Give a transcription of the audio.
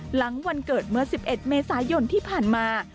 หลังวันเกิดเมื่อ๑๑เมษายนที่ผ่านมา